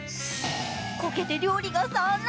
こけて料理が散乱。